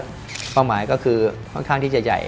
เป้าหมายก็คือค่อนข้างที่จะใหญ่